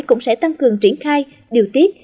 cũng sẽ tăng cường triển khai điều tiết